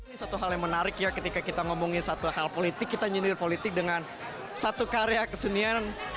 ini satu hal yang menarik ya ketika kita ngomongin satu hal politik kita nyindir politik dengan satu karya kesenian